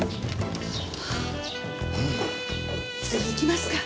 次行きますか。